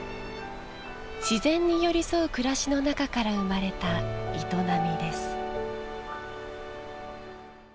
自然に寄り添う暮らしの中から生まれた営みです。